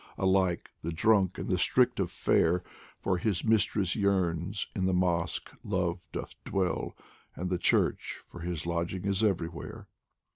86 DIVAN OF HAFIZ Alike the drunk and the strict of fare For his mistress yearns in the mosque Love doth dwell And the church, for his lodging is everywhere.